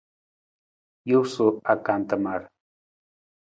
Jesu akantamar.